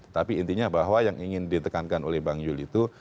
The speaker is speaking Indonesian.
tapi intinya bahwa yang ingin ditekankan oleh bang yul itu